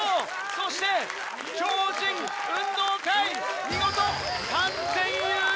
そして超人運動会見事完全優勝です！